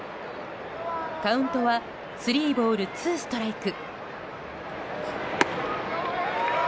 カウントはスリーボール、ツーストライク。